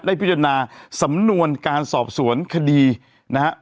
พิจารณาสำนวนการสอบสวนคดีนะฮะ